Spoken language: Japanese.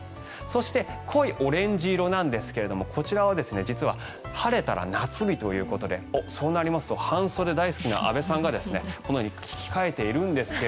そして濃いオレンジ色なんですけどもこちらは実は晴れたら夏日ということでそうなりますと半袖大好きな安部さんがこのように着替えているんですが。